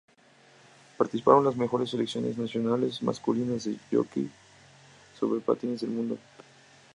Participaron las mejores selecciones nacionales masculinas de hockey sobre patines del mundo.